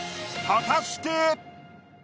果たして。